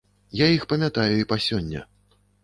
Я іх памятаю і па сёння.